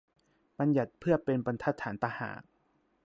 บัญญัติ เพื่อเป็น บรรทัดฐาน ตะหาก